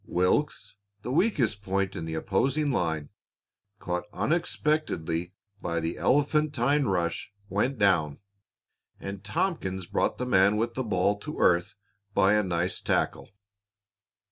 Wilks, the weakest point in the opposing line, caught unexpectedly by the elephantine rush, went down, and Tompkins brought the man with the ball to earth by a nice tackle.